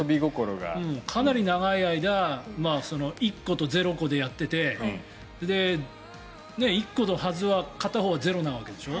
かなり長い間１個と０個でやってて１個のはずが片方はゼロなんでしょ。